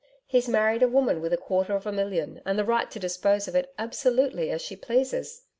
He's married a woman with a quarter of a million and the right to dispose of it absolutely as she pleases.